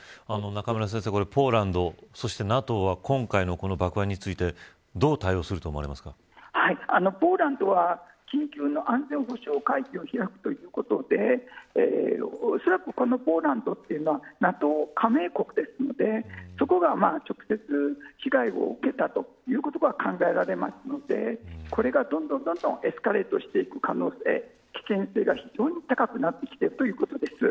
ポーランドそしてＮＡＴＯは今回の爆発についてポーランドは緊急の安全保障会議を開くということでおそらくポーランドというのはＮＡＴＯ加盟国ですのでそこが直接被害を受けたということが考えられますのでこれがどんどんエスカレートしていく可能性危険性が非常に高くなってきているということです。